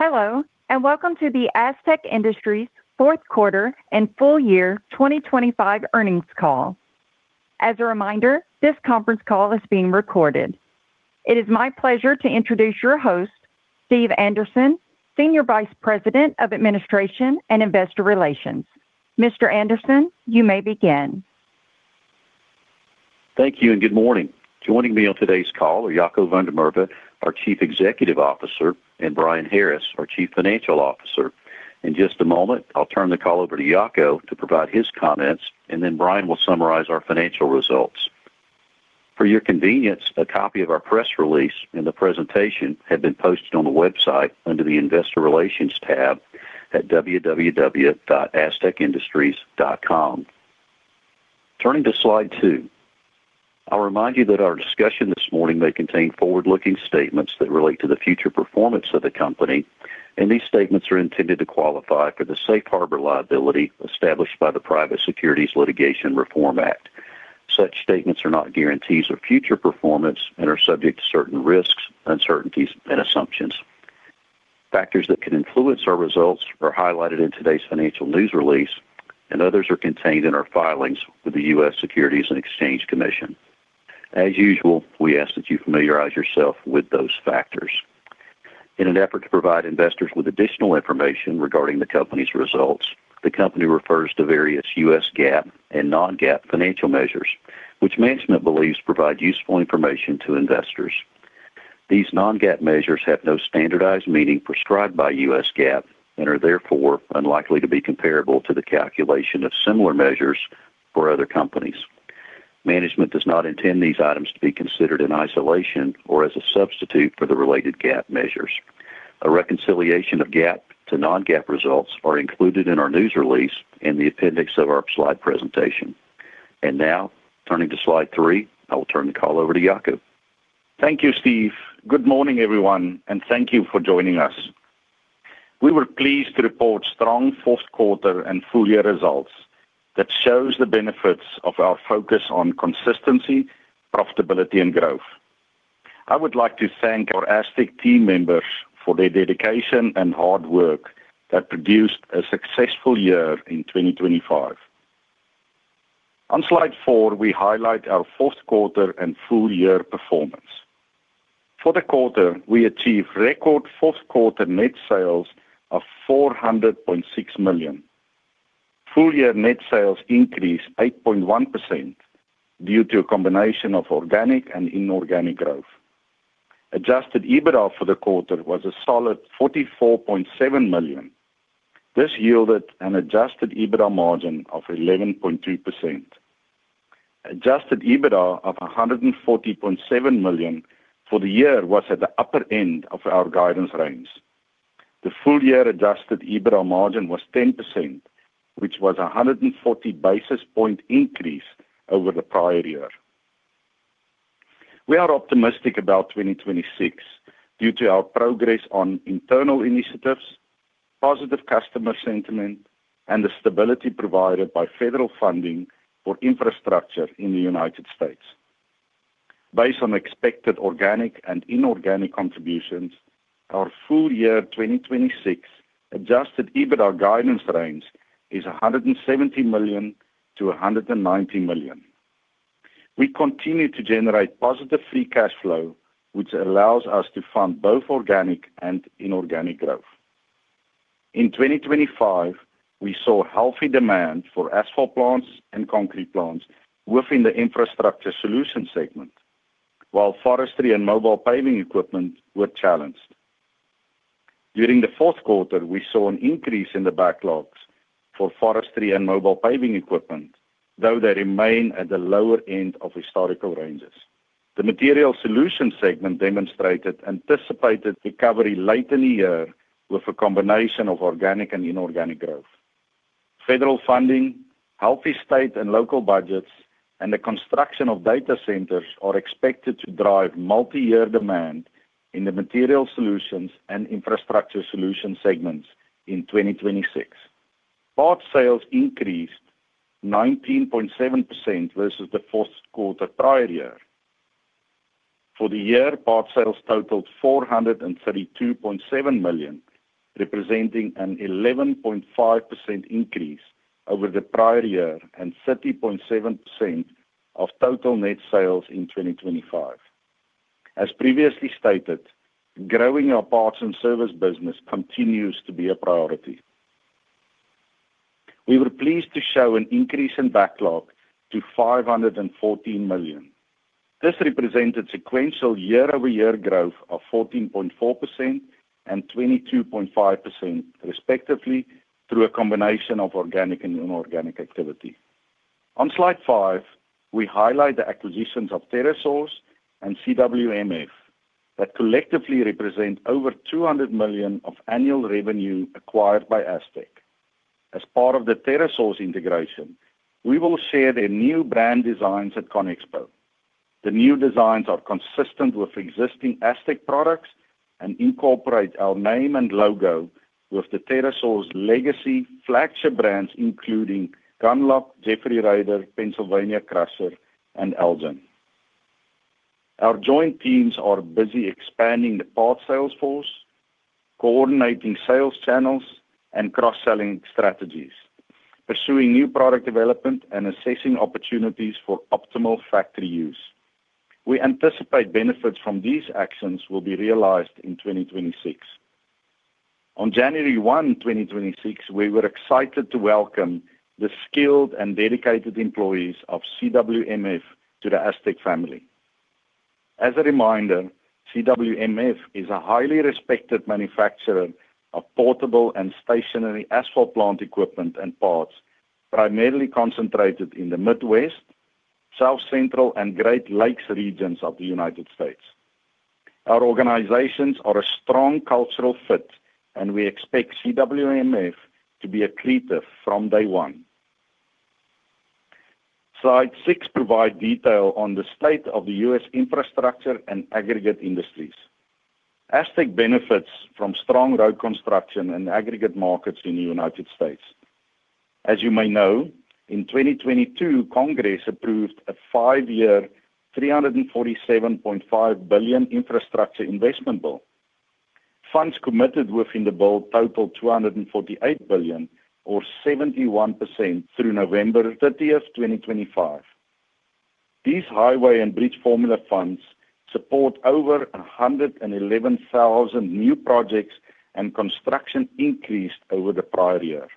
Hello, welcome to the Astec Industries fourth quarter and full year 2025 earnings call. As a reminder, this conference call is being recorded. It is my pleasure to introduce your host, Steve Anderson, Senior Vice President of Administration and Investor Relations. Mr. Anderson, you may begin. Thank you, and good morning. Joining me on today's call are Jaco van der Merwe, our Chief Executive Officer, and Brian Harris, our Chief Financial Officer. In just a moment, I'll turn the call over to Jaco to provide his comments, and then Brian will summarize our financial results. For your convenience, a copy of our press release and the presentation have been posted on the website under the Investor Relations tab at www.astecindustries.com. Turning to slide two. I'll remind you that our discussion this morning may contain forward-looking statements that relate to the future performance of the company, and these statements are intended to qualify for the safe harbor liability established by the Private Securities Litigation Reform Act. Such statements are not guarantees of future performance and are subject to certain risks, uncertainties, and assumptions. Factors that could influence our results are highlighted in today's financial news release, and others are contained in our filings with the U.S. Securities and Exchange Commission. As usual, we ask that you familiarize yourself with those factors. In an effort to provide investors with additional information regarding the company's results, the company refers to various US GAAP and non-GAAP financial measures, which management believes provide useful information to investors. These non-GAAP measures have no standardized meaning prescribed by US GAAP and are therefore unlikely to be comparable to the calculation of similar measures for other companies. Management does not intend these items to be considered in isolation or as a substitute for the related GAAP measures. A reconciliation of GAAP to non-GAAP results are included in our news release in the appendix of our slide presentation. Now, turning to slide three, I will turn the call over to Jaco. Thank you, Steve Anderson. Good morning, everyone, and thank you for joining us. We were pleased to report strong fourth quarter and full year results that shows the benefits of our focus on consistency, profitability, and growth. I would like to thank our Astec team members for their dedication and hard work that produced a successful year in 2025. On slide four, we highlight our fourth quarter and full year performance. For the quarter, we achieved record fourth quarter net sales of $400.6 million. Full year net sales increased 8.1% due to a combination of organic and inorganic growth. Adjusted EBITDA for the quarter was a solid $44.7 million. This yielded an Adjusted EBITDA margin of 11.2%. Adjusted EBITDA of $140.7 million for the year was at the upper end of our guidance range. The full year Adjusted EBITDA margin was 10%, which was a 140 basis point increase over the prior year. We are optimistic about 2026 due to our progress on internal initiatives, positive customer sentiment, and the stability provided by federal funding for infrastructure in the United States. Based on expected organic and inorganic contributions, our full year 2026 Adjusted EBITDA guidance range is $170 million-$190 million. We continue to generate positive free cash flow, which allows us to fund both organic and inorganic growth. In 2025, we saw healthy demand for asphalt plants and concrete plants within the Infrastructure Solutions segment, while forestry and mobile paving equipment were challenged. During the fourth quarter, we saw an increase in the backlogs for forestry and mobile paving equipment, though they remain at the lower end of historical ranges. The Material Solutions segment demonstrated anticipated recovery late in the year with a combination of organic and inorganic growth. Federal funding, healthy state and local budgets, and the construction of data centers are expected to drive multiyear demand in the Material Solutions and Infrastructure Solutions segments in 2026. Parts sales increased 19.7% versus the fourth quarter prior year. For the year, parts sales totaled $432.7 million, representing an 11.5% increase over the prior year and 30.7% of total net sales in 2025. As previously stated, growing our parts and service business continues to be a priority. We were pleased to show an increase in backlog to $514 million. This represented sequential year-over-year growth of 14.4% and 22.5%, respectively, through a combination of organic and inorganic activity. On slide five, we highlight the acquisitions of TerraSource and CWMF, that collectively represent over $200 million of annual revenue acquired by Astec. As part of the TerraSource integration, we will share their new brand designs at CONEXPO. The new designs are consistent with existing Astec products and incorporate our name and logo with the TerraSource legacy flagship brands, including Gundlach, Jeffrey Rader, Pennsylvania Crusher, and Elgin. Our joint teams are busy expanding the parts sales force, coordinating sales channels, and cross-selling strategies, pursuing new product development, and assessing opportunities for optimal factory use. We anticipate benefits from these actions will be realized in 2026. On January 1, 2026, we were excited to welcome the skilled and dedicated employees of CWMF to the Astec family. As a reminder, CWMF is a highly respected manufacturer of portable and stationary asphalt plant equipment and parts, primarily concentrated in the Midwest, South Central, and Great Lakes regions of the United States. Our organizations are a strong cultural fit, and we expect CWMF to be accretive from day one. Slide six provide detail on the state of the U.S. infrastructure and aggregate industries. Astec benefits from strong road construction and aggregate markets in the United States. As you may know, in 2022, Congress approved a five-year, $347.5 billion infrastructure investment bill. Funds committed within the bill totaled $248 billion or 71% through November 30, 2025. These highway and bridge formula funds support over 111,000 new projects, and construction increased over the prior year.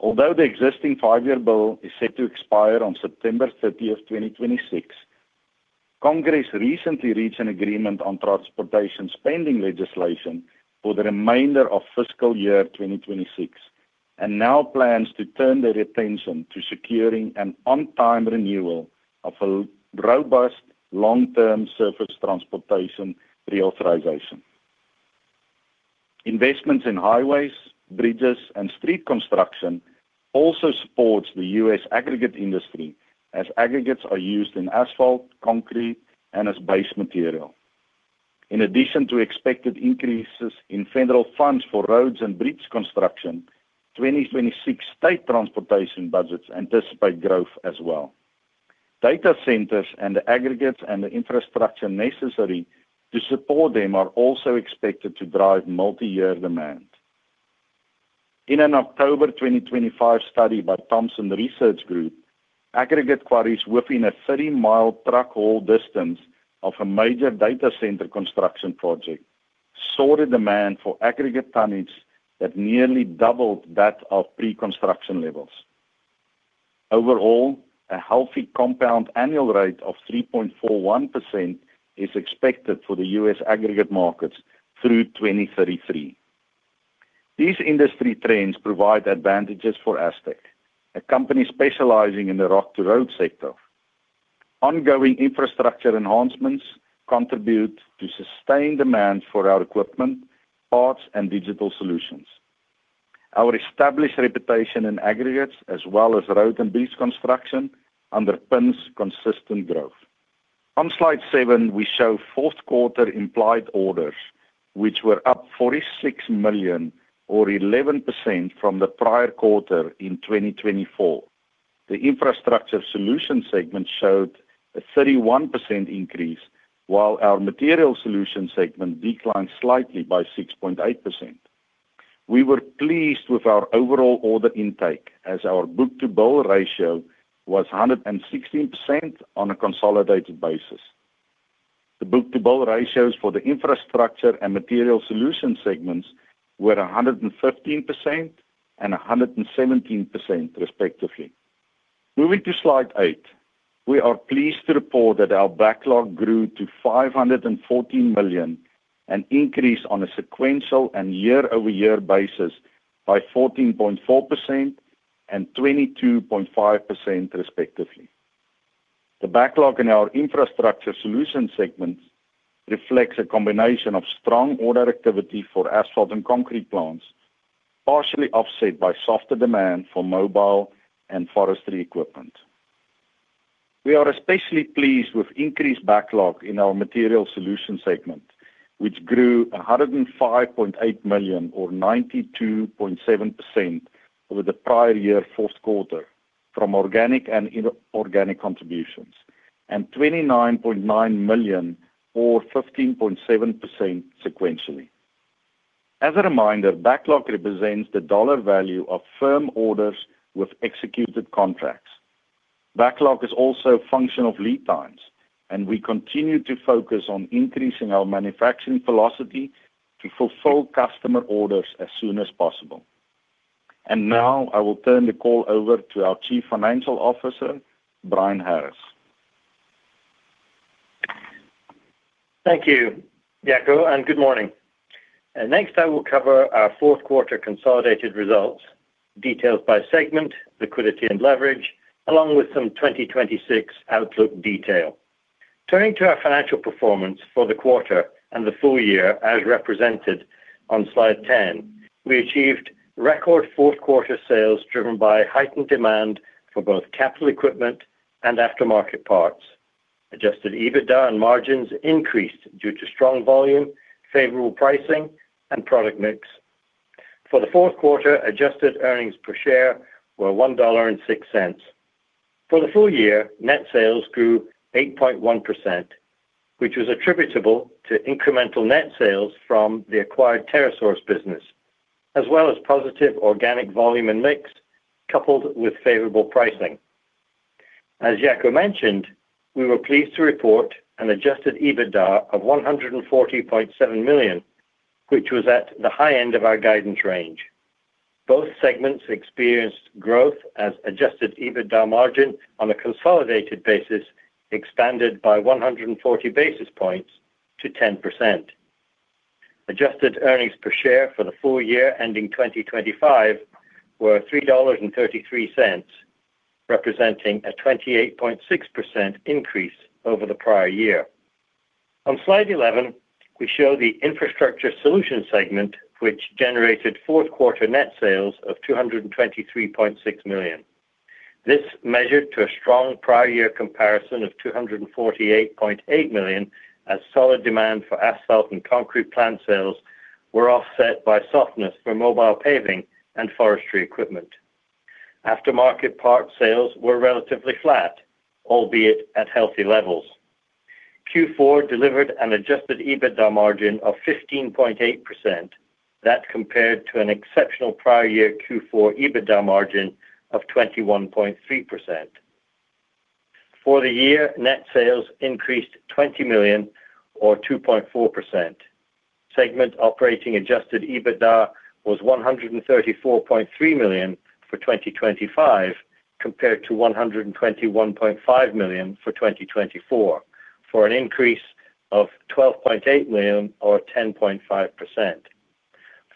Although the existing five-year bill is set to expire on September 30th, 2026, Congress recently reached an agreement on transportation spending legislation for the remainder of fiscal year 2026, and now plans to turn their attention to securing an on-time renewal of a robust, long-term surface transportation reauthorization. Investments in highways, bridges, and street construction also supports the U.S. aggregate industry, as aggregates are used in asphalt, concrete, and as base material. In addition to expected increases in federal funds for roads and bridge construction, 2026 state transportation budgets anticipate growth as well. Data centers and the aggregates and the infrastructure necessary to support them are also expected to drive multiyear demand. In an October 2025 study by Thompson Research Group, aggregate quarries within a 30-mile truck haul distance of a major data center construction project saw the demand for aggregate tonnage that nearly doubled that of pre-construction levels. Overall, a healthy compound annual rate of 3.41% is expected for the U.S. aggregate markets through 2033. These industry trends provide advantages for Astec, a company specializing in the Rock to Road sector. Ongoing infrastructure enhancements contribute to sustained demand for our equipment, parts, and digital solutions. Our established reputation in aggregates, as well as road and bridge construction, underpins consistent growth. On slide seven, we show fourth quarter implied orders, which were up $46 million or 11% from the prior quarter in 2024. The Infrastructure Solutions segment showed a 31% increase, while our Material Solutions segment declined slightly by 6.8%. We were pleased with our overall order intake as our book-to-bill ratio was 116% on a consolidated basis. The book-to-bill ratios for the Infrastructure Solutions and Material Solutions segments were 115% and 117%, respectively. Moving to slide eight. We are pleased to report that our backlog grew to $514 million, an increase on a sequential and year-over-year basis by 14.4% and 22.5%, respectively. The backlog in our Infrastructure Solutions segment reflects a combination of strong order activity for asphalt and concrete plants, partially offset by softer demand for mobile and forestry equipment. We are especially pleased with increased backlog in our Material Solutions segment, which grew $105.8 million or 92.7% over the prior year, fourth quarter, from organic and inorganic contributions, and $29.9 million or 15.7% sequentially. As a reminder, backlog represents the dollar value of firm orders with executed contracts. Backlog is also a function of lead times, and we continue to focus on increasing our manufacturing velocity to fulfill customer orders as soon as possible. Now I will turn the call over to our Chief Financial Officer, Brian Harris. Thank you, Jaco, and good morning. Next, I will cover our fourth quarter consolidated results, details by segment, liquidity and leverage, along with some 2026 outlook detail. Turning to our financial performance for the quarter and the full year, as represented on slide 10, we achieved record fourth quarter sales driven by heightened demand for both capital equipment and aftermarket parts. Adjusted EBITDA and margins increased due to strong volume, favorable pricing, and product mix. For the fourth quarter, adjusted earnings per share were $1.06. For the full year, net sales grew 8.1%, which was attributable to incremental net sales from the acquired TerraSource business, as well as positive organic volume and mix, coupled with favorable pricing. As Jaco mentioned, we were pleased to report an Adjusted EBITDA of $140.7 million, which was at the high end of our guidance range. Both segments experienced growth as Adjusted EBITDA margin on a consolidated basis expanded by 140 basis points to 10%. Adjusted earnings per share for the full year ending 2025 were $3.33, representing a 28.6% increase over the prior year. On slide 11, we show the Infrastructure Solutions segment, which generated fourth quarter net sales of $223.6 million. This measured to a strong prior year comparison of $248.8 million, as solid demand for asphalt and concrete plant sales were offset by softness for mobile paving and forestry equipment. Aftermarket part sales were relatively flat, albeit at healthy levels. Q4 delivered an Adjusted EBITDA margin of 15.8%. That compared to an exceptional prior year Q4 EBITDA margin of 21.3%. For the year, net sales increased $20 million or 2.4%. Segment operating Adjusted EBITDA was $134.3 million for 2025, compared to $121.5 million for 2024, for an increase of $12.8 million or 10.5%.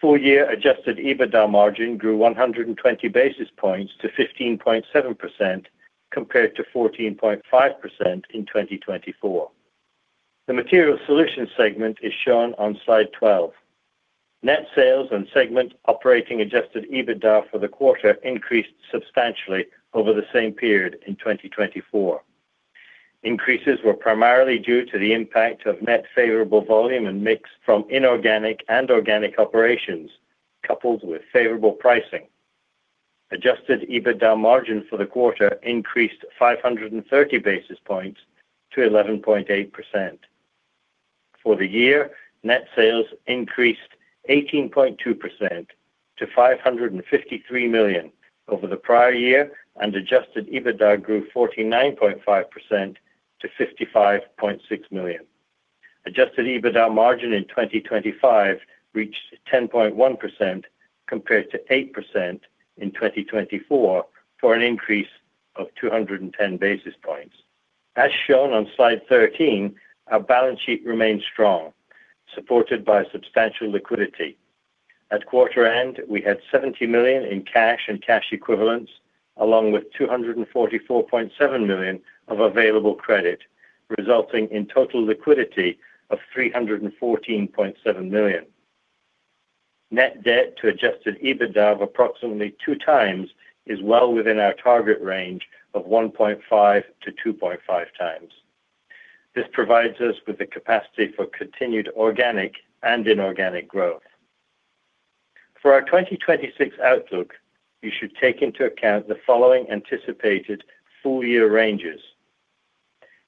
Full year Adjusted EBITDA margin grew 120 basis points to 15.7%, compared to 14.5% in 2024. The Material Solutions segment is shown on slide 12. Net sales and segment operating Adjusted EBITDA for the quarter increased substantially over the same period in 2024. Increases were primarily due to the impact of net favorable volume and mix from inorganic and organic operations, coupled with favorable pricing. Adjusted EBITDA margin for the quarter increased 530 basis points to 11.8%. For the year, net sales increased 18.2% to $553 million over the prior year, and Adjusted EBITDA grew 49.5% to $55.6 million. Adjusted EBITDA margin in 2025 reached 10.1%, compared to 8% in 2024, for an increase of 210 basis points. As shown on slide 13, our balance sheet remains strong, supported by substantial liquidity. At quarter end, we had $70 million in cash and cash equivalents, along with $244.7 million of available credit, resulting in total liquidity of $314.7 million. Net debt to Adjusted EBITDA of approximately 2x is well within our target range of 1.5x to 2.5x. This provides us with the capacity for continued organic and inorganic growth. For our 2026 outlook, you should take into account the following anticipated full year ranges: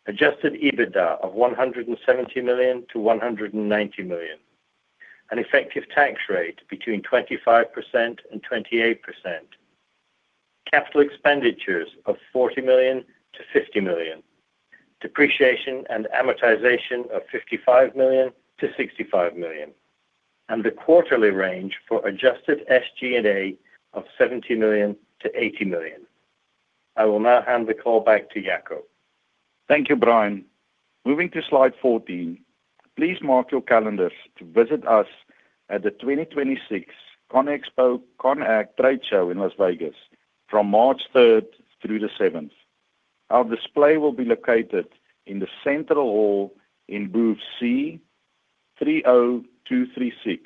Adjusted EBITDA of $170 million-$190 million. An effective tax rate between 25% and 28%. Capital expenditures of $40 million-$50 million. Depreciation and amortization of $55 million-$65 million, and a quarterly range for adjusted SG&A of $70 million-$80 million. I will now hand the call back to Jaco. Thank you, Brian. Moving to slide 14, please mark your calendars to visit us at the 2026 CONEXPO-CON/AGG trade show in Las Vegas from March 3rd through the 7th. Our display will be located in the central hall in Booth C30236,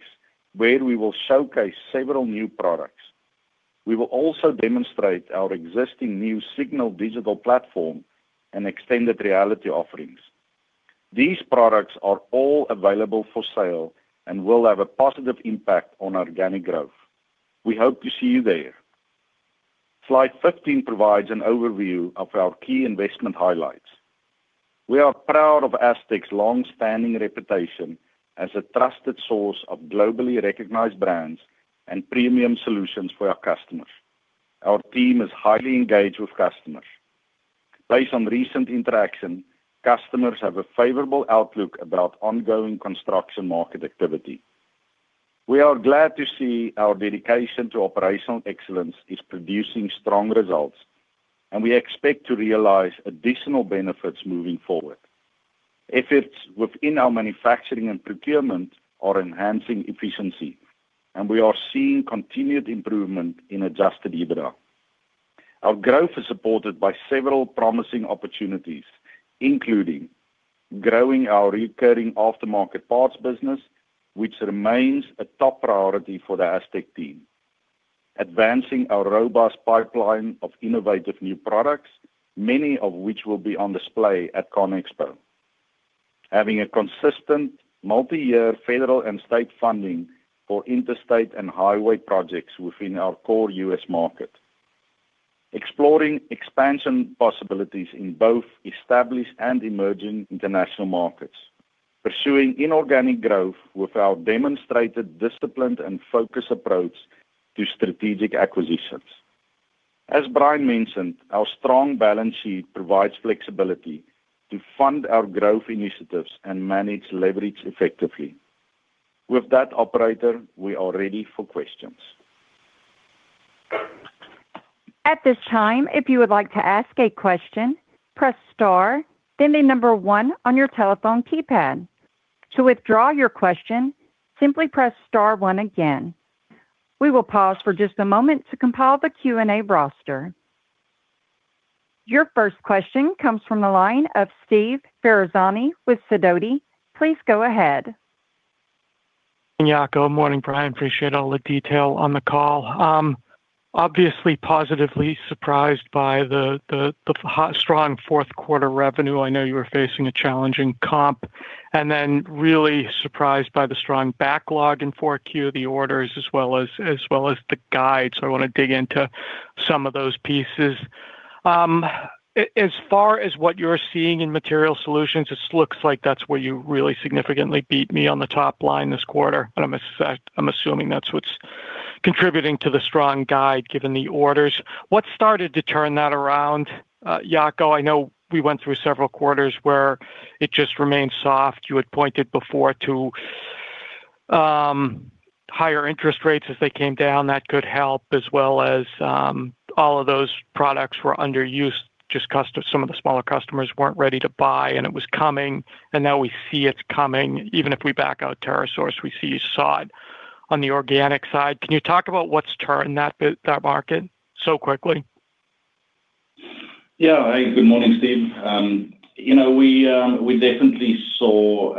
where we will showcase several new products. We will also demonstrate our existing new Signal digital platform and extended reality offerings. These products are all available for sale and will have a positive impact on organic growth. We hope to see you there. Slide 15 provides an overview of our key investment highlights. We are proud of Astec's long-standing reputation as a trusted source of globally recognized brands and premium solutions for our customers. Our team is highly engaged with customers. Based on recent interaction, customers have a favorable outlook about ongoing construction market activity. We are glad to see our dedication to operational excellence is producing strong results. We expect to realize additional benefits moving forward. Efforts within our manufacturing and procurement are enhancing efficiency. We are seeing continued improvement in Adjusted EBITDA. Our growth is supported by several promising opportunities, including growing our recurring aftermarket parts business, which remains a top priority for the Astec team. Advancing our robust pipeline of innovative new products, many of which will be on display at CONEXPO....Having a consistent multi-year federal and state funding for interstate and highway projects within our core U.S. market. Exploring expansion possibilities in both established and emerging international markets. Pursuing inorganic growth with our demonstrated disciplined and focused approach to strategic acquisitions. As Brian mentioned, our strong balance sheet provides flexibility to fund our growth initiatives and manage leverage effectively. With that, operator, we are ready for questions. At this time, if you would like to ask a question, press star, then 1 on your telephone keypad. To withdraw your question, simply press star 1 again. We will pause for just a moment to compile the Q&A roster. Your first question comes from the line of Steve Ferazani with Sidoti. Please go ahead. Good morning, Brian. Appreciate all the detail on the call. Obviously, positively surprised by the strong fourth quarter revenue. I know you were facing a challenging comp, and then really surprised by the strong backlog in 4Q, the orders, as well as the guide. I want to dig into some of those pieces. As far as what you're seeing in Material Solutions, this looks like that's where you really significantly beat me on the top line this quarter, but I'm assuming that's what's contributing to the strong guide, given the orders. What started to turn that around, Jaco? I know we went through several quarters where it just remained soft. You had pointed before to, higher interest rates as they came down, that could help, as well as, all of those products were underused. Some of the smaller customers weren't ready to buy, it was coming, and now we see it's coming. Even if we back out TerraSource, we see you saw it. On the organic side, can you talk about what's turned that market so quickly? Yeah. Hey, good morning, Steve. You know, we definitely saw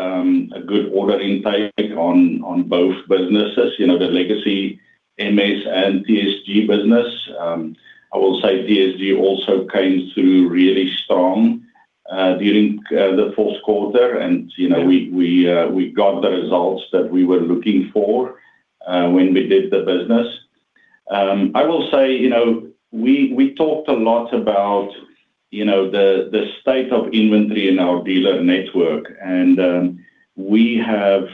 a good order intake on both businesses, you know, the legacy MS and TSG business. I will say TSG also came through really strong during the fourth quarter. You know, we got the results that we were looking for when we did the business. I will say, you know, we talked a lot about, you know, the state of inventory in our dealer network. We have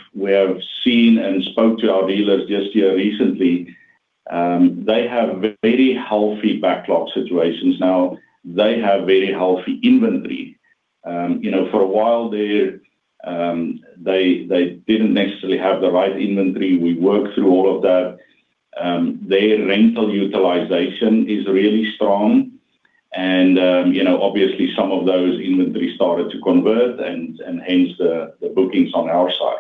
seen and spoke to our dealers just here recently. They have very healthy backlog situations now. They have very healthy inventory. You know, for a while, they didn't necessarily have the right inventory. We worked through all of that. Their rental utilization is really strong, you know, obviously some of those inventory started to convert and hence the bookings on our side.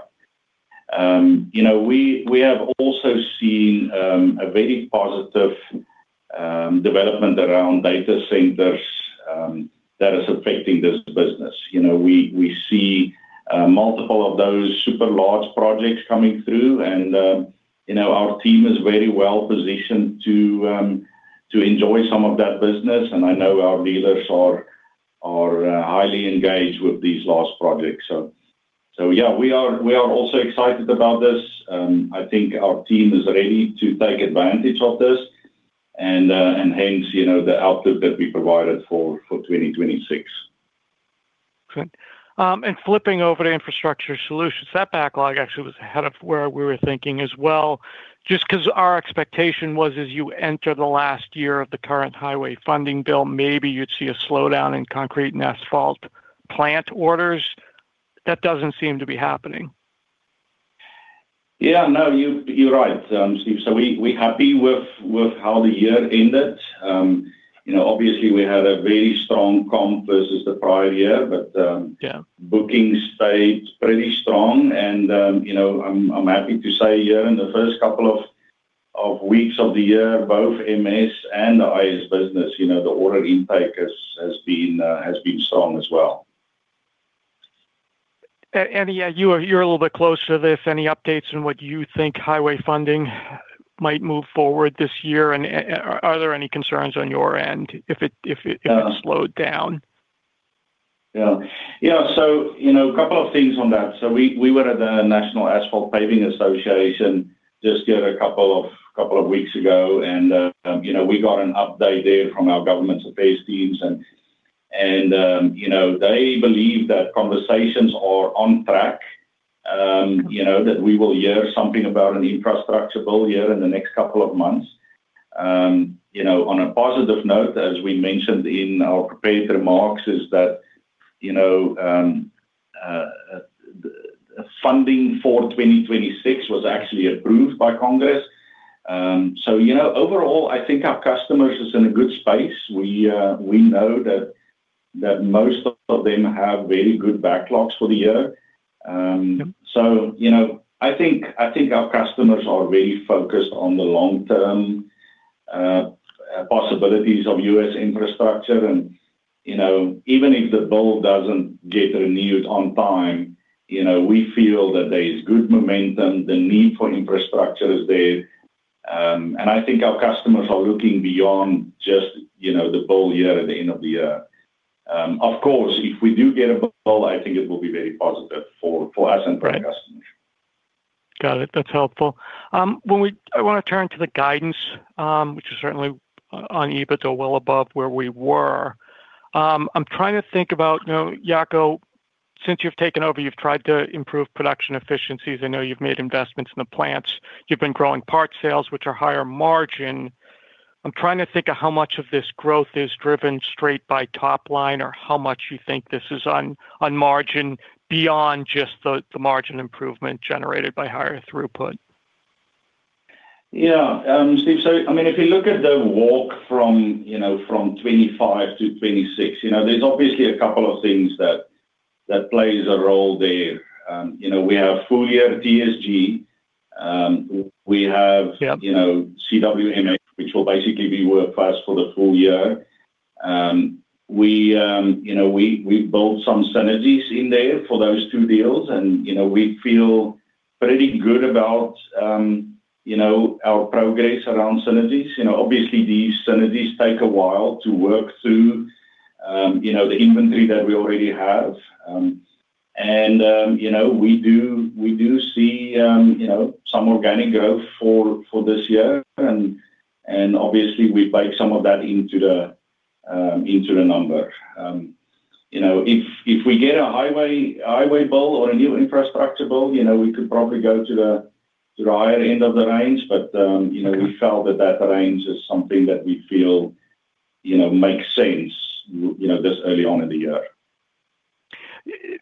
You know, we have also seen a very positive development around data centers that is affecting this business. You know, we see multiple of those super large projects coming through, you know, our team is very well positioned to enjoy some of that business, and I know our dealers are highly engaged with these large projects. Yeah, we are also excited about this. I think our team is ready to take advantage of this, hence, you know, the output that we provided for 2026. Okay. Flipping over to Infrastructure Solutions, that backlog actually was ahead of where we were thinking as well, just because our expectation was as you enter the last year of the current highway funding bill, maybe you'd see a slowdown in concrete and asphalt plant orders. That doesn't seem to be happening. Yeah, no, you're right, Steve. We're happy with how the year ended. You know, obviously, we had a very strong comp versus the prior year, but. Yeah... bookings stayed pretty strong, and, you know, I'm happy to say here in the first couple of weeks of the year, both MS and the IS business, you know, the order intake has been strong as well. Yeah, you are, you're a little bit closer to this. Any updates on what you think highway funding might move forward this year, and are there any concerns on your end if it slowed down? Yeah. Yeah, you know, a couple of things on that. We were at the National Asphalt Pavement Association just a couple of weeks ago, you know, we got an update there from our government affairs teams, you know, they believe that conversations are on track. You know, that we will hear something about an infrastructure bill here in the next couple of months. You know, on a positive note, as we mentioned in our prepared remarks, is that, you know, funding for 2026 was actually approved by Congress. You know, overall, I think our customers is in a good space. We know that most of them have very good backlogs for the year. Yep. You know, I think our customers are very focused on the long-term, possibilities of U.S. infrastructure, and, you know, even if the bill doesn't get renewed on time, you know, we feel that there is good momentum, the need for infrastructure is there. I think our customers are looking beyond just, you know, the bill year at the end of the year. Of course, if we do get a bill, I think it will be very positive for us and for our customers. Got it. That's helpful. I wanna turn to the guidance, which is certainly on EBITDA, well above where we were. I'm trying to think about, you know, Jaco, since you've taken over, you've tried to improve production efficiencies. I know you've made investments in the plants. You've been growing parts sales, which are higher margin. I'm trying to think of how much of this growth is driven straight by top line, or how much you think this is on margin beyond just the margin improvement generated by higher throughput. Yeah. Steve, I mean, if you look at the walk from, you know, from 2025 to 2026, you know, there's obviously a couple of things that plays a role there. you know, we have a full year TSG. Yeah. You know, CWMF, which will basically be with us for the full year. We, you know, we built some synergies in there for those two deals, and, you know, we feel pretty good about, you know, our progress around synergies. You know, obviously, these synergies take a while to work through, you know, the inventory that we already have. You know, we do see, you know, some organic growth for this year, and, obviously, we bake some of that into the, into the number. You know, if we get a highway bill or a new infrastructure bill, you know, we could probably go to the higher end of the range. You know, we felt that that range is something that we feel, you know, makes sense, you know, this early on in the year.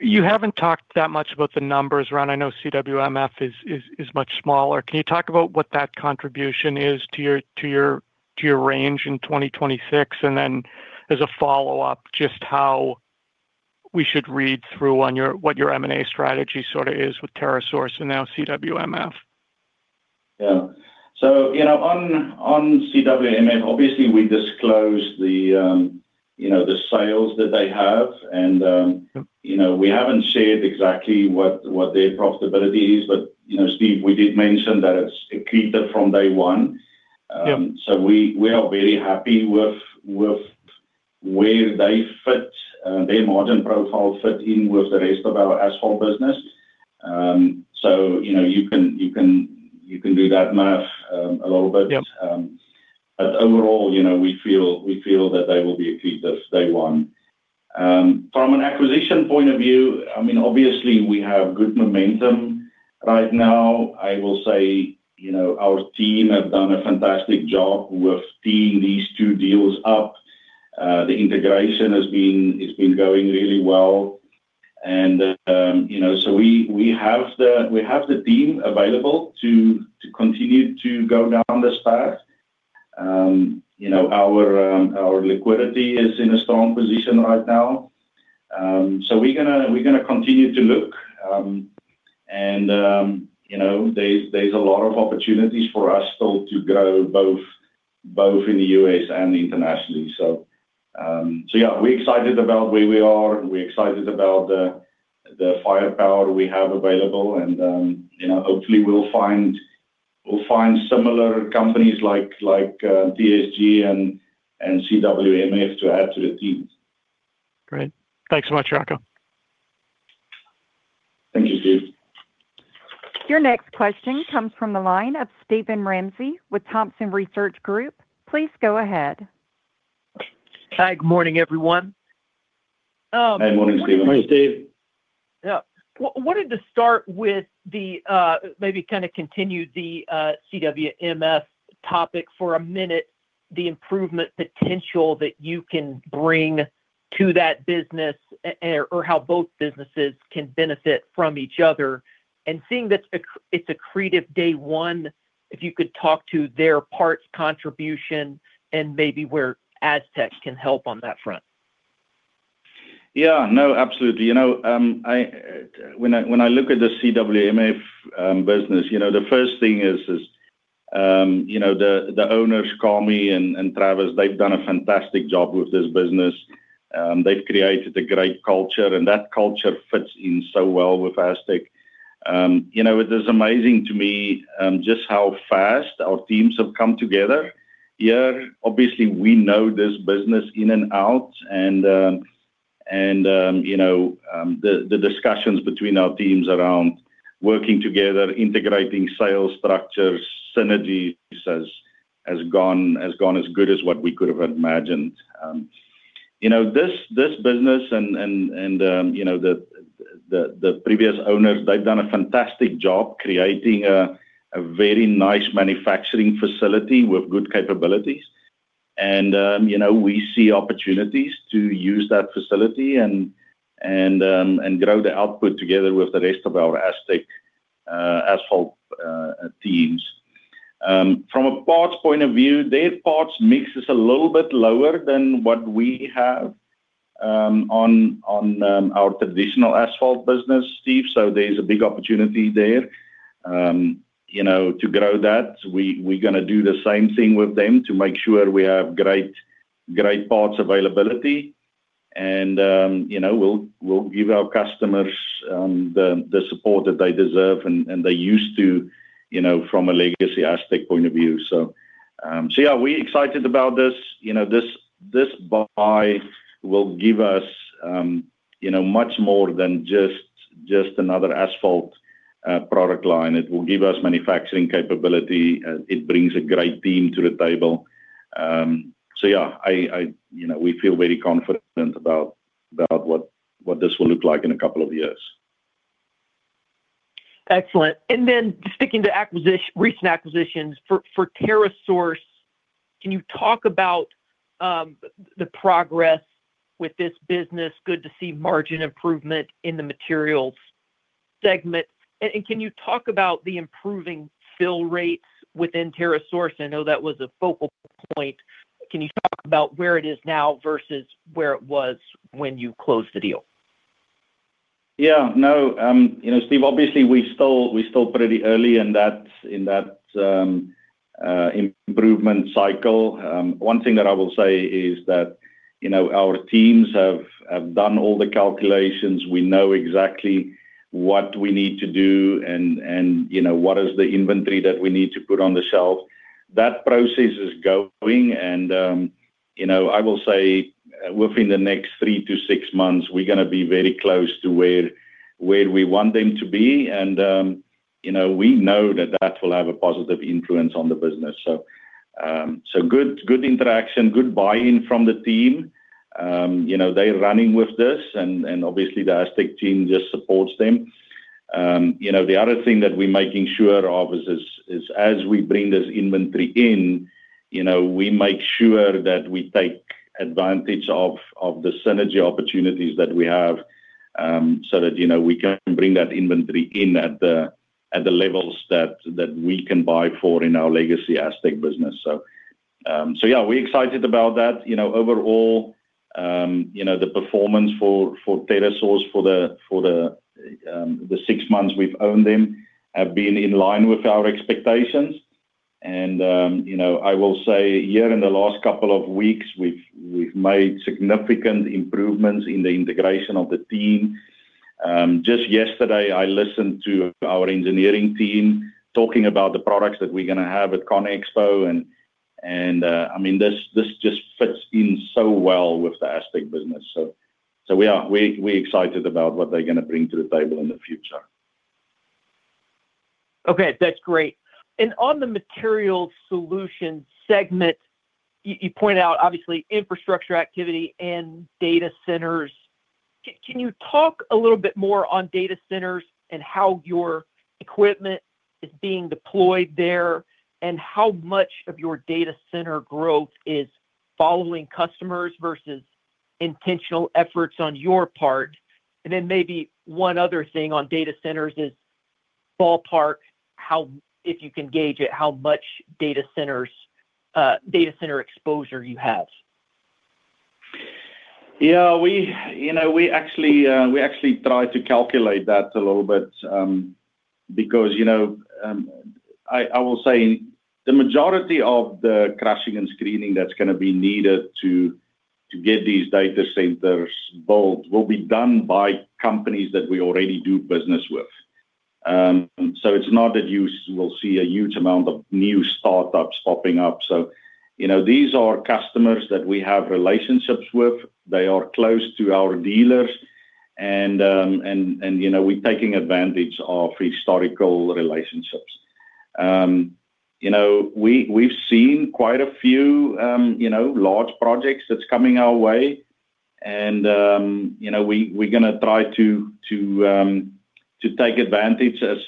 You haven't talked that much about the numbers around. I know CWMF is much smaller. Can you talk about what that contribution is to your range in 2026? As a follow-up, just how we should read through what your M&A strategy sort of is with TerraSource and now CWMF. Yeah. you know, on CWMF, obviously, we disclosed the, you know, the sales that they have, and, you know, we haven't shared exactly what their profitability is. you know, Steve, we did mention that it's accretive from day one. Yeah. We are very happy with where they fit, their margin profile fit in with the rest of our asphalt business. You know, you can do that math a little bit. Yeah. Overall, you know, we feel that they will be accretive day one. From an acquisition point of view, I mean, obviously, we have good momentum right now. I will say, you know, our team have done a fantastic job with teeing these two deals up. The integration it's been going really well. You know, we have the team available to continue to go down this path. You know, our liquidity is in a strong position right now. We're gonna continue to look, you know, there's a lot of opportunities for us still to grow, both in the U.S. and internationally. Yeah, we're excited about where we are. We're excited about the firepower we have available, and, you know, hopefully, we'll find similar companies like TSG and CWMF to add to the team. Great. Thanks so much, Jaco. Thank you, Steve. Your next question comes from the line of Steven Ramsey with Thompson Research Group. Please go ahead. Hi, good morning, everyone. Hi, morning, Steven. Morning, Steve. Yeah. Wanted to start with the maybe kinda continue the CWMF topic for a minute, the improvement potential that you can bring to that business or how both businesses can benefit from each other. Seeing that it's accretive day one, if you could talk to their parts contribution and maybe where Astec can help on that front? Yeah. No, absolutely. You know, When I, when I look at the CWMF business, you know, the first thing is, you know, the owners, Kami and Travis, they've done a fantastic job with this business. They've created a great culture, and that culture fits in so well with Astec. You know, it is amazing to me, just how fast our teams have come together here. Obviously, we know this business in and out, and, you know, the discussions between our teams around working together, integrating sales structures, synergies, has gone as good as what we could have imagined. You know, this business and, you know, the, the previous owners, they've done a fantastic job creating a very nice manufacturing facility with good capabilities. You know, we see opportunities to use that facility and grow the output together with the rest of our Astec asphalt teams. From a parts point of view, their parts mix is a little bit lower than what we have on our traditional asphalt business, Steve, so there's a big opportunity there. You know, to grow that, we're gonna do the same thing with them to make sure we have great parts availability. You know, we'll give our customers the support that they deserve, and they're used to, you know, from a legacy Astec point of view. So yeah, we excited about this. You know, this buy will give us, you know, much more than just another asphalt product line. It will give us manufacturing capability, it brings a great team to the table. Yeah, I, you know, we feel very confident about what this will look like in a couple of years. Excellent. Then sticking to acquisition, recent acquisitions, for TerraSource, can you talk about the progress with this business? Good to see margin improvement in the Materials segment. Can you talk about the improving fill rates within TerraSource? I know that was a focal point. Can you talk about where it is now versus where it was when you closed the deal? Yeah. No, you know, Steve, obviously, we're still pretty early in that improvement cycle. One thing that I will say is that, you know, our teams have done all the calculations. We know exactly what we need to do and, you know, what is the inventory that we need to put on the shelf. That process is going and, you know, I will say, within the next 3 to 6 months, we're gonna be very close to where we want them to be, and, you know, we know that that will have a positive influence on the business. Good, good interaction, good buy-in from the team. You know, they're running with this, and obviously the Astec team just supports them. You know, the other thing that we're making sure of is as we bring this inventory in, you know, we make sure that we take advantage of the synergy opportunities that we have, so that, you know, we can bring that inventory in at the levels that we can buy for in our legacy Astec business. Yeah, we're excited about that. You know, overall, you know, the performance for TerraSource for the six months we've owned them have been in line with our expectations. I will say here in the last couple of weeks, we've made significant improvements in the integration of the team. just yesterday, I listened to our engineering team talking about the products that we're gonna have at CONEXPO, and, I mean, this just fits in so well with the Astec business. We excited about what they're gonna bring to the table in the future. Okay, that's great. On the Material Solutions segment, you pointed out, obviously, infrastructure activity and data centers. Can you talk a little bit more on data centers and how your equipment is being deployed there? How much of your data center growth is following customers versus intentional efforts on your part? Then maybe one other thing on data centers is, ballpark, how if you can gauge it, how much data center exposure you have? We, you know, we actually, we actually tried to calculate that a little bit, because, you know, I will say the majority of the crushing and screening that's gonna be needed to get these data centers built will be done by companies that we already do business with. It's not that you will see a huge amount of new startups popping up. You know, these are customers that we have relationships with. They are close to our dealers and, you know, we're taking advantage of historical relationships. You know, we've seen quite a few, you know, large projects that's coming our way, and, you know, we're gonna try to take advantage as,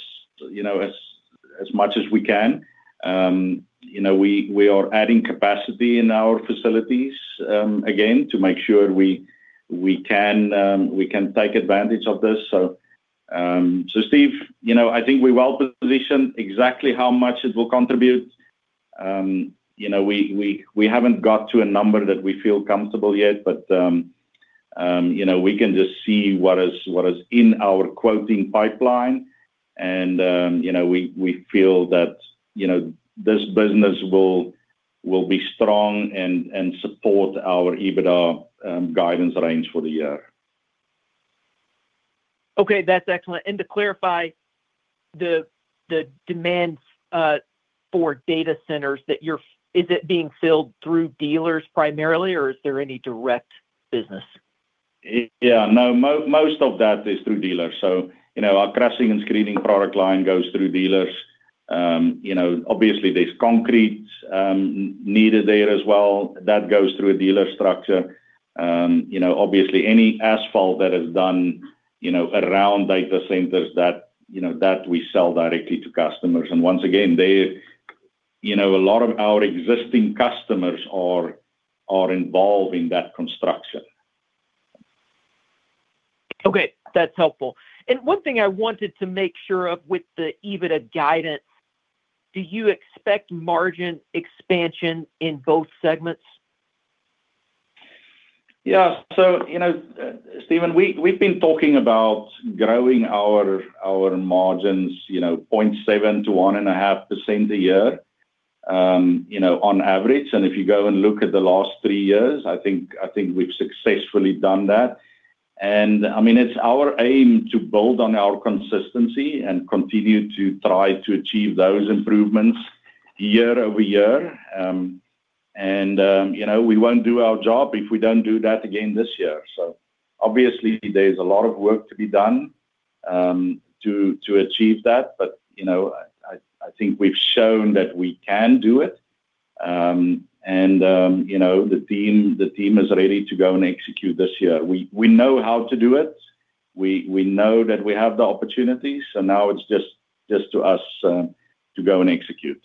you know, as much as we can. You know, we are adding capacity in our facilities, again, to make sure we can take advantage of this. Steve, you know, I think we're well positioned. Exactly how much it will contribute, you know, we haven't got to a number that we feel comfortable yet, but, you know, we can just see what is in our quoting pipeline and, you know, we feel that, you know, this business will be strong and support our EBITDA guidance range for the year. Okay, that's excellent. To clarify, the demand for data centers is it being filled through dealers primarily, or is there any direct business? Yeah, no, most of that is through dealers. You know, our crushing and screening product line goes through dealers. You know, obviously, there's concrete needed there as well. That goes through a dealer structure. You know, obviously, any asphalt that is done, you know, around data centers that, you know, that we sell directly to customers. Once again, they, you know, a lot of our existing customers are involved in that construction. Okay, that's helpful. One thing I wanted to make sure of with the EBITDA guidance, do you expect margin expansion in both segments? Yeah. You know, Steven, we've been talking about growing our margins, you know, 0.7% to 1.5% a year. You know, on average, if you go and look at the last 3 years, I think we've successfully done that. I mean, it's our aim to build on our consistency and continue to try to achieve those improvements year-over-year. You know, we won't do our job if we don't do that again this year. Obviously, there's a lot of work to be done to achieve that, but, you know, I think we've shown that we can do it. You know, the team is ready to go and execute this year. We know how to do it. We know that we have the opportunities, now it's just to us to go and execute.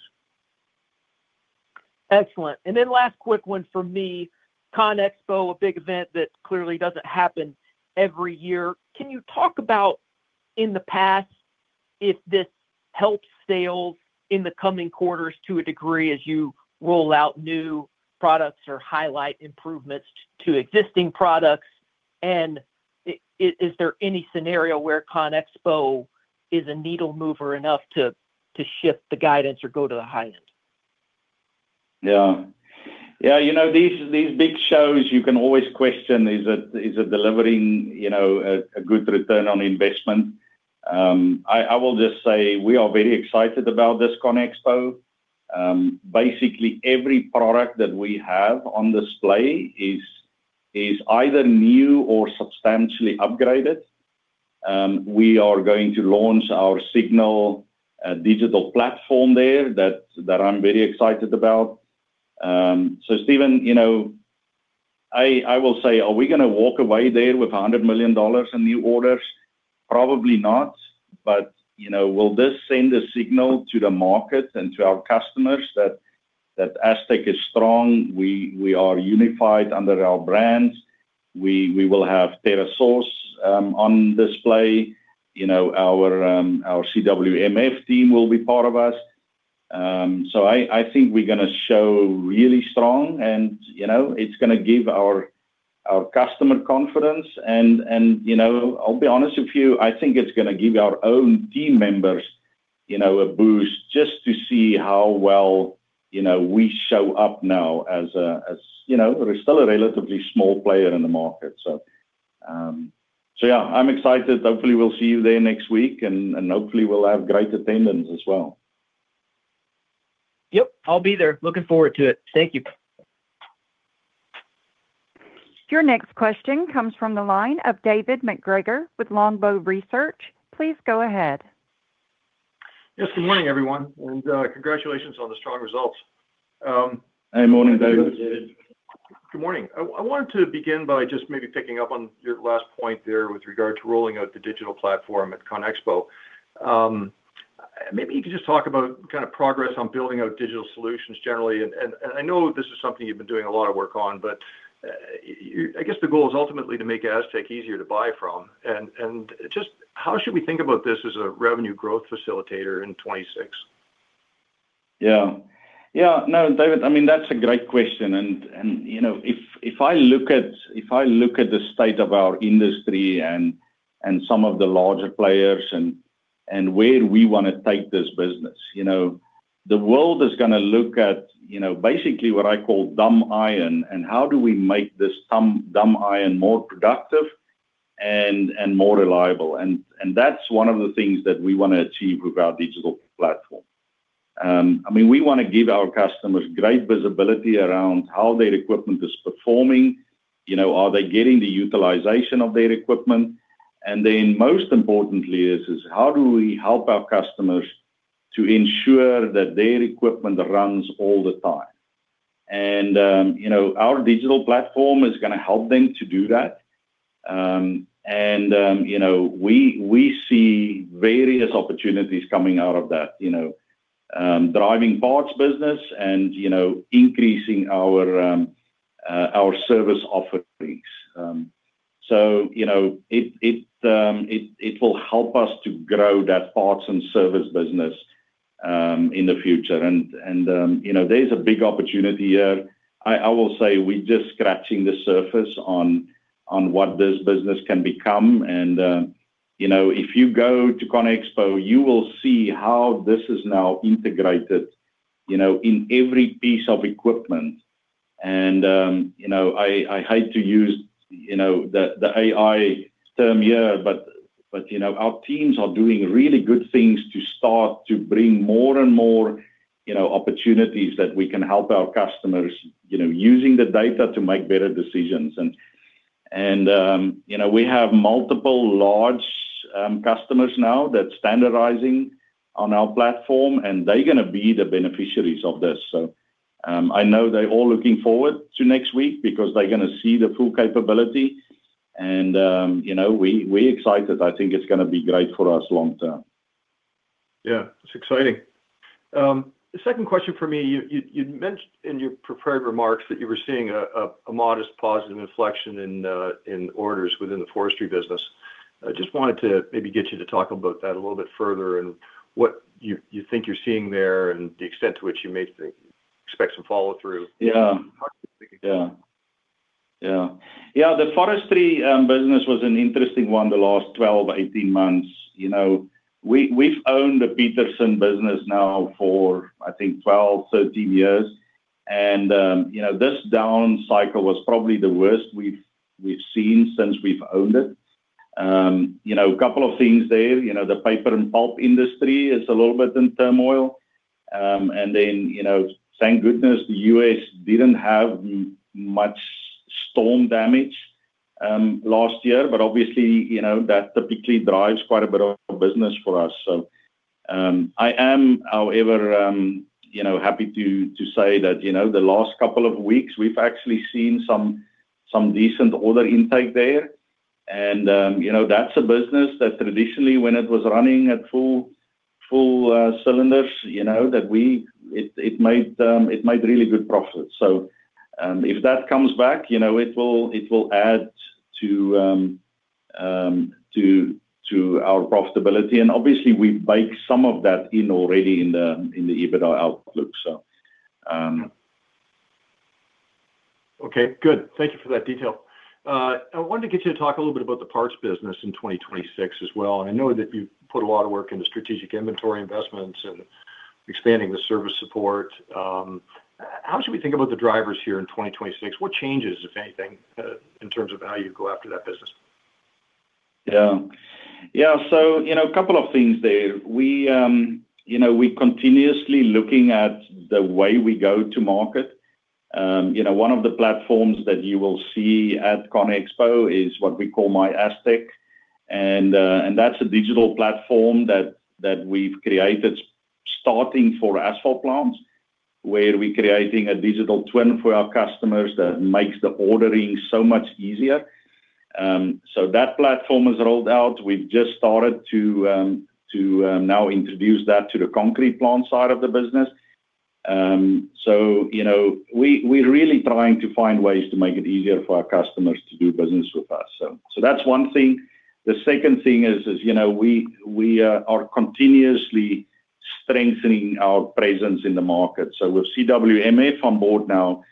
Excellent. Last quick one for me, CONEXPO, a big event that clearly doesn't happen every year. Can you talk about, in the past, if this helps sales in the coming quarters to a degree, as you roll out new products or highlight improvements to existing products? And is there any scenario where CONEXPO is a needle mover enough to shift the guidance or go to the high end? Yeah. Yeah, you know, these big shows, you can always question, is it delivering, you know, a good return on investment? I will just say we are very excited about this CONEXPO. Basically, every product that we have on display is either new or substantially upgraded. We are going to launch our Signal digital platform there, that I'm very excited about. Steven, you know, I will say, are we gonna walk away there with $100 million in new orders? Probably not. You know, will this send a signal to the market and to our customers that Astec is strong, we are unified under our brands. We will have TerraSource on display. You know, our CWMF team will be part of us. I think we're gonna show really strong and, you know, it's gonna give our customer confidence and, you know, I'll be honest with you, I think it's gonna give our own team members, you know, a boost just to see how well, you know, we show up now as, you know... We're still a relatively small player in the market. Yeah, I'm excited. Hopefully, we'll see you there next week, and hopefully we'll have great attendance as well. Yep, I'll be there. Looking forward to it. Thank you. Your next question comes from the line of David MacGregor with Longbow Research. Please go ahead. Yes, good morning, everyone, and, congratulations on the strong results. Hey, morning, David. Morning, David. Good morning. I wanted to begin by just maybe picking up on your last point there with regard to rolling out the digital platform at CONEXPO. Maybe you could just talk about kind of progress on building out digital solutions generally. I know this is something you've been doing a lot of work on, but I guess the goal is ultimately to make Astec easier to buy from. Just how should we think about this as a revenue growth facilitator in 2026? Yeah, no, David, I mean, that's a great question, and, you know, if I look at, if I look at the state of our industry and some of the larger players and where we want to take this business, you know, the world is gonna look at, you know, basically what I call dumb iron, and how do we make this dumb iron more productive and more reliable? That's one of the things that we want to achieve with our digital platform. I mean, we want to give our customers great visibility around how their equipment is performing. You know, are they getting the utilization of their equipment? Then most importantly, is how do we help our customers to ensure that their equipment runs all the time? You know, our digital platform is gonna help them to do that. You know, we see various opportunities coming out of that, you know, driving parts business and, you know, increasing our service offerings. You know, it will help us to grow that parts and service business in the future. You know, there's a big opportunity here. I will say we're just scratching the surface on what this business can become. You know, if you go to CONEXPO, you will see how this is now integrated, you know, in every piece of equipment. you know, I hate to use, you know, the AI term here, but, you know, our teams are doing really good things to start to bring more and more, you know, opportunities that we can help our customers, you know, using the data to make better decisions. you know, we have multiple large customers now that's standardizing on our platform, and they're gonna be the beneficiaries of this. I know they're all looking forward to next week because they're gonna see the full capability, and, you know, we're excited. I think it's gonna be great for us long term. It's exciting. The second question for me, you mentioned in your prepared remarks that you were seeing a modest positive inflection in orders within the forestry business. I just wanted to maybe get you to talk about that a little bit further and what you think you're seeing there and the extent to which you may expect some follow-through. Yeah. Yeah. Yeah, the forestry business was an interesting one the last 12, 18 months. You know, we've owned the Peterson business now for, I think, 12, 13 years, and, you know, this down cycle was probably the worst we've seen since we've owned it. You know, a couple of things there, you know, the paper and pulp industry is a little bit in turmoil. Then, you know, thank goodness, the U.S. didn't have much storm damage last year, but obviously, you know, that typically drives quite a bit of business for us. I am, however, you know, happy to say that, you know, the last couple of weeks, we've actually seen some decent order intake there. You know, that's a business that traditionally, when it was running at full cylinders, you know, it made really good profits. If that comes back, you know, it will, it will add to our profitability, and obviously, we bake some of that in already in the EBITDA outlook. Okay, good. Thank you for that detail. I wanted to get you to talk a little bit about the parts business in 2026 as well. I know that you've put a lot of work into strategic inventory investments and expanding the service support. How should we think about the drivers here in 2026? What changes, if anything, in terms of how you go after that business? Yeah. Yeah, you know, a couple of things there. We, you know, we're continuously looking at the way we go to market. You know, one of the platforms that you will see at CONEXPO is what we call MyAstec. That's a digital platform that we've created, starting for asphalt plants, where we're creating a digital twin for our customers that makes the ordering so much easier. That platform is rolled out. We've just started to now introduce that to the concrete plant side of the business. You know, we're really trying to find ways to make it easier for our customers to do business with us. That's one thing. The second thing is, you know, we are continuously strengthening our presence in the market. With CWMF on board now,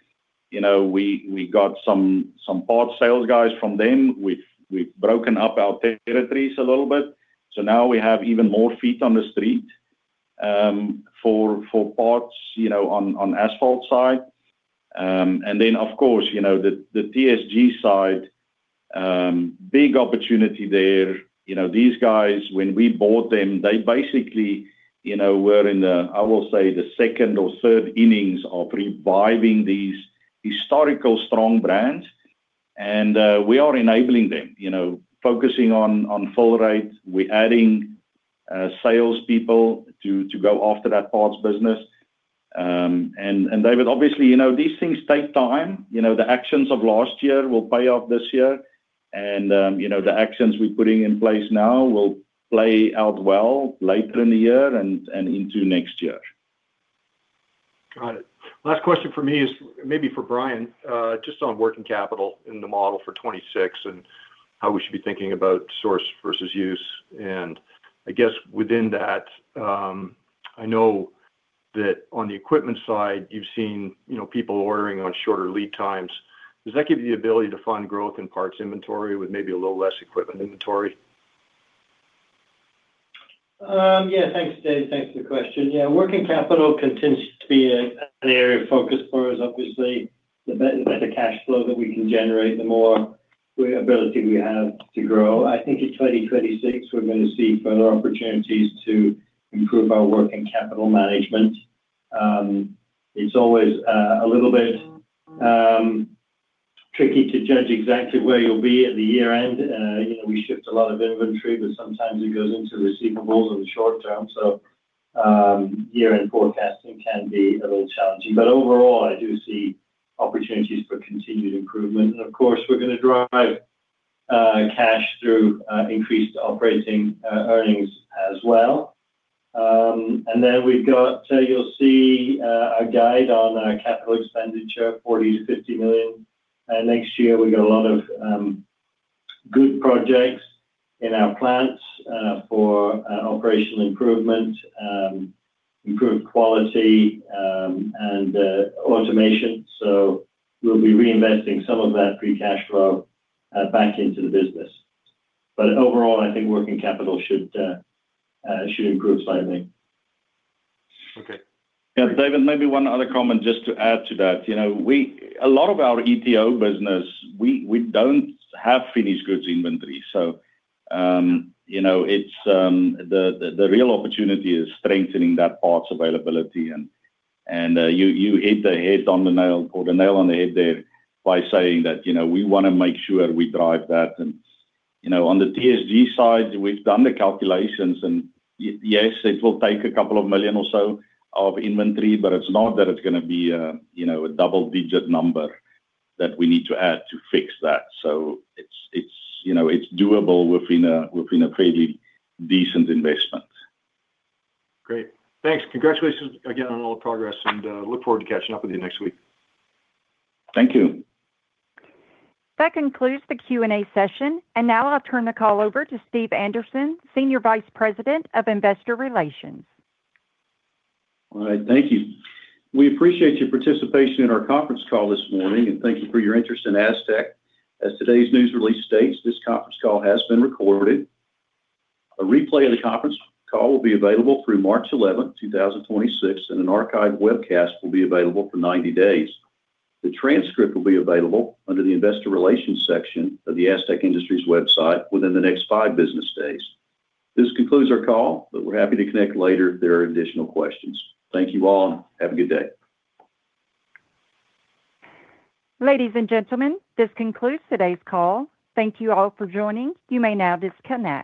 you know, we got some parts sales guys from them. We've broken up our territories a little bit, so now we have even more feet on the street for parts, you know, on asphalt side. Of course, you know, the TSG side, big opportunity there. You know, these guys, when we bought them, they basically, you know, were in the, I will say, the second or third innings of reviving these historical, strong brands, and we are enabling them, you know, focusing on full rate. We're adding salespeople to go after that parts business. David, obviously, you know, these things take time. You know, the actions of last year will pay off this year, and, you know, the actions we're putting in place now will play out well later in the year and into next year. Got it. Last question for me is maybe for Brian, just on working capital in the model for 26 and how we should be thinking about source versus use. I guess within that, I know that on the equipment side, you've seen, you know, people ordering on shorter lead times. Does that give you the ability to fund growth in parts inventory with maybe a little less equipment inventory? Yeah. Thanks, Dave. Thanks for the question. Yeah, working capital continues to be an area of focus for us. Obviously, the better cash flow that we can generate, the more ability we have to grow. I think in 2026, we're going to see further opportunities to improve our working capital management. It's always a little bit tricky to judge exactly where you'll be at the year-end. You know, we shift a lot of inventory, but sometimes it goes into receivables in the short term, so year-end forecasting can be a little challenging. Overall, I do see opportunities for continued improvement. Of course, we're going to drive cash through increased operating earnings as well. Then we've got... You'll see a guide on our capital expenditure, $40 million-$50 million. Next year, we got a lot of good projects in our plants for operational improvement, improved quality, and automation. We'll be reinvesting some of that free cash flow back into the business. Overall, I think working capital should improve slightly. Okay. David, maybe one other comment, just to add to that. You know, a lot of our ETO business, we don't have finished goods inventory, you know, it's the real opportunity is strengthening that parts availability. You hit the head on the nail or the nail on the head there by saying that, you know, we want to make sure we drive that. You know, on the TSG side, we've done the calculations, and yes, it will take $2 million or so of inventory, but it's not that it's gonna be a, you know, a double-digit number that we need to add to fix that. It's, you know, it's doable within a fairly decent investment. Great. Thanks. Congratulations again on all the progress. Look forward to catching up with you next week. Thank you. That concludes the Q&A session. Now I'll turn the call over to Steve Anderson, Senior Vice President of Investor Relations. All right. Thank you. We appreciate your participation in our conference call this morning, and thank you for your interest in Astec. As today's news release states, this conference call has been recorded. A replay of the conference call will be available through March 11th, 2026, and an archive webcast will be available for 90 days. The transcript will be available under the Investor Relations section of the Astec Industries website within the next five business days. This concludes our call, but we're happy to connect later if there are additional questions. Thank you all, and have a good day. Ladies and gentlemen, this concludes today's call. Thank you all for joining. You may now disconnect.